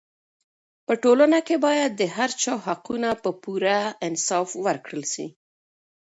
په ټولنه کې باید د هر چا حقونه په پوره انصاف ورکړل سي.